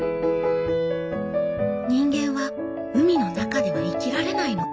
「人間は海の中では生きられないの。